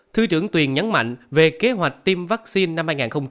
thứ trưởng tuyền nhắn mạnh về kế hoạch tiêm vaccine năm hai nghìn hai mươi hai